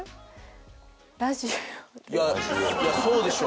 いやそうでしょう。